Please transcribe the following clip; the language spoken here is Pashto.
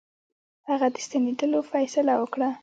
هغه د ستنېدلو فیصله وکړه.